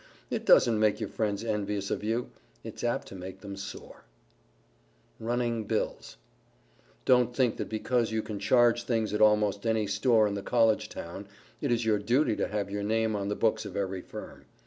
It doesn't make your friends envious of you. It's apt to make them sore. [Sidenote: RUNNING BILLS] Don't think that because you can charge things at almost any store in the College Town, it is your duty to have your name on the books of every firm.